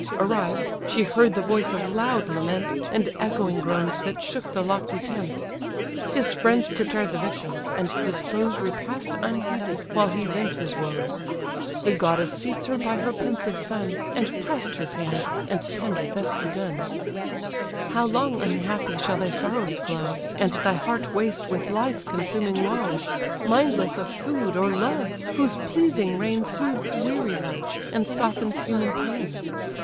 Arrived, she heard the voice of loud lament, And echoing groans that shook the lofty tent: His friends prepare the victim, and dispose Repast unheeded, while he vents his woes; The goddess seats her by her pensive son, She press'd his hand, and tender thus begun: "How long, unhappy! shall thy sorrows flow, And thy heart waste with life consuming woe: Mindless of food, or love, whose pleasing reign Soothes weary life, and softens human pain?